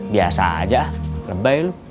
biasa aja lebay lu